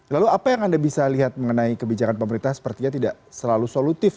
lalu apa yang anda bisa lihat mengenai kebijakan pemerintah sepertinya tidak selalu solutif